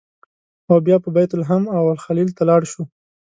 او بیا به بیت لحم او الخلیل ته لاړ شو.